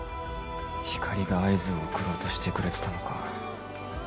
光莉が合図を送ろうとしてくれてたのか。